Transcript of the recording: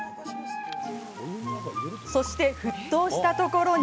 そして沸騰したところに。